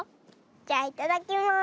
じゃいただきます。